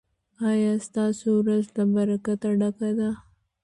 ایا ستاسو ورځ له برکته ډکه ده؟